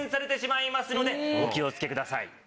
お気を付けください。